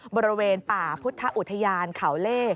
บริเวณป่าพุทธอุทยานเขาเล่